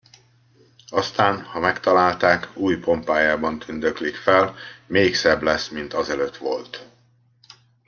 Aztán, ha megtalálták, új pompájában tündöklik fel, még szebb lesz, mint azelőtt volt.